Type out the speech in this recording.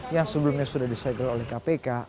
yang sebelumnya sudah disegel oleh kpk